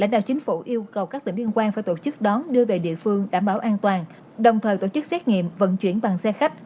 đưa về địa phương đảm bảo an toàn đồng thời tổ chức xét nghiệm vận chuyển bằng xe khách